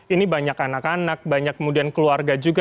ini banyak anak anak banyak kemudian keluarga juga